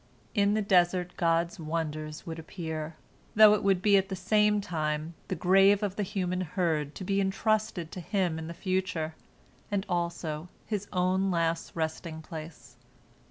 In the desert God's wonders would appear, though it would be at the same time the grave of the human herd to be entrusted to him in the future, and also his own last resting place.